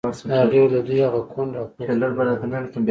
هغې وویل د دوی هغه کونډ او پوخ خپلوان.